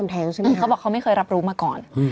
เขาบอกเขาไม่เคยรับรู้มาก่อน